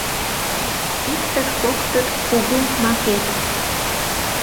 Иктыт-коктыт кугу макет